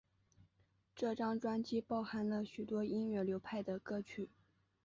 这张专辑包含了许多音乐流派的歌曲。